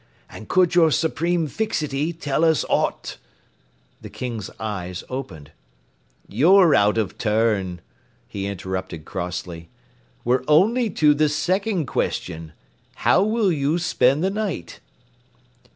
And could your Supreme Fixity tell us aught " The King's eyes opened. "You're out of turn," he interrupted crossly. "We're only to the second question. How will you spend the night?"